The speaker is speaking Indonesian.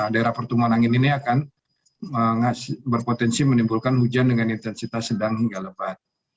daerah pertumbuhan angin ini akan berpotensi menimbulkan hujan dengan intensitas sedang hingga lebat